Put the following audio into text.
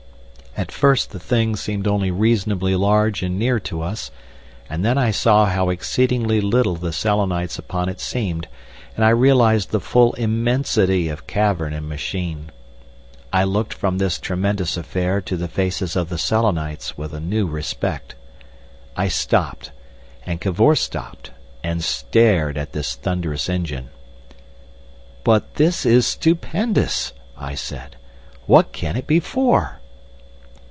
At first the thing seemed only reasonably large and near to us, and then I saw how exceedingly little the Selenites upon it seemed, and I realised the full immensity of cavern and machine. I looked from this tremendous affair to the faces of the Selenites with a new respect. I stopped, and Cavor stopped, and stared at this thunderous engine. "But this is stupendous!" I said. "What can it be for?"